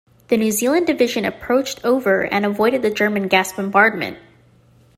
The New Zealand Division approached over and avoided the German gas bombardment.